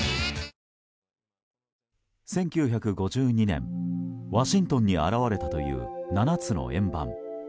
１９５２年、ワシントンに現れたという７つの円盤。